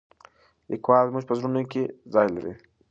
لیکوال زموږ په زړونو کې ځای لري.